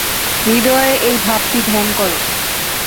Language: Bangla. হৃদয়ে এই ভাবটি ধ্যান কর।